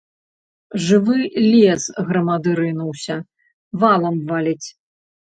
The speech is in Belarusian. Жывы лес грамады рынуўся, валам валіць.